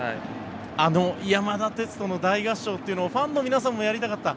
あの山田哲人の大合唱というのもファンの皆さんもやりたかった。